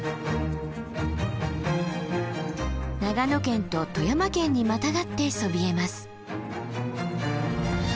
長野県と富山県にまたがってそびえます。